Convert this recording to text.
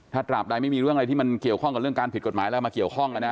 ถ้าตราบใดไม่มีเรื่องอะไรที่มันเกี่ยวข้องกับเรื่องการผิดกฎหมายแล้วมาเกี่ยวข้องแล้วนะ